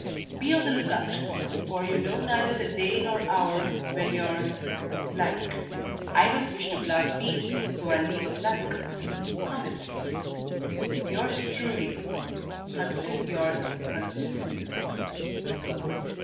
"Be on the look out, for you know neither the day nor hour when your " (I don't wish to blaspheme, so I'll leave a blank) cometh. "Yours truly, "HUNSDEN YORKE HUNSDEN."